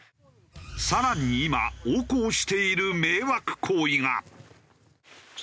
更に今横行している迷惑行為が。